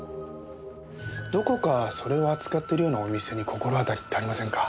どこかそれを扱ってるようなお店に心当たりってありませんか？